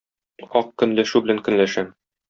Ак көнләшү белән көнләшәм.